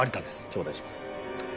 ちょうだいします。